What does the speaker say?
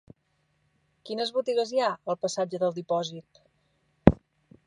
Quines botigues hi ha al passatge del Dipòsit?